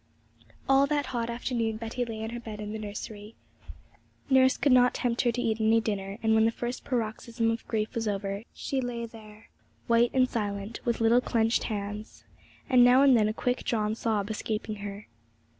All that hot afternoon Betty lay on her bed in the nursery. Nurse could not tempt her to eat any dinner; and when the first paroxysm of grief was over, she lay there, white and silent, with little clenched hands, and now and then a quick drawn sob escaping her.